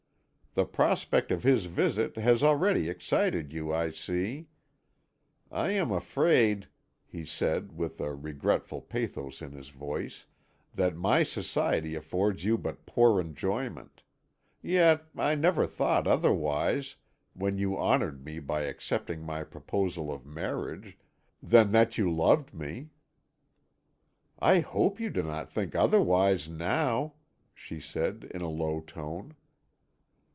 The prospect of his visit has already excited you, I see. I am afraid," he said, with a regretful pathos in his voice, "that my society affords you but poor enjoyment; yet I never thought otherwise, when you honoured me by accepting my proposal of marriage, than that you loved me." "I hope you do not think otherwise now," she said in a low tone.